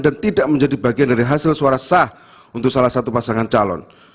dan tidak menjadi bagian dari hasil suara sah untuk salah satu pasangan calon